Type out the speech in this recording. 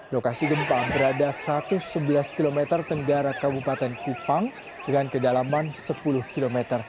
lokasi gempa berada satu ratus sebelas km tenggara kabupaten kupang dengan kedalaman sepuluh km